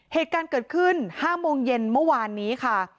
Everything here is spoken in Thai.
เหตุการณ์เกิดขึ้น๕โมงเย็นเมื่อวานนี้ค่ะ